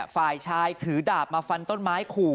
ฝ่ายชายถือดาบมาฟันต้นไม้ขู่